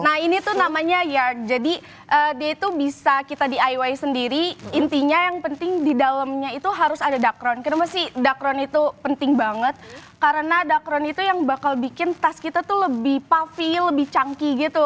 nah ini tuh namanya yard jadi dia itu bisa kita di iway sendiri intinya yang penting di dalamnya itu harus ada dakron kenapa sih dakron itu penting banget karena dakron itu yang bakal bikin tas kita tuh lebih puffi lebih canggih gitu